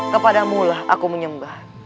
kepadamulah aku menyembah